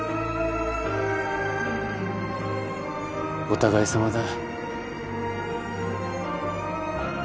お互いさまだ。